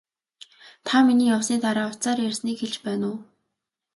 Та миний явсны дараа утсаар ярьсныг хэлж байна уу?